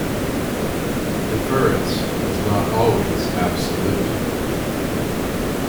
"Deference" was not always absolute.